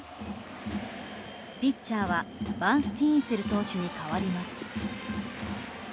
ピッチャーはバンスティーンセル投手に代わります。